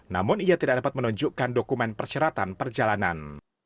namun ia tidak dapat menunjukkan dokumen persyaratan perjalanan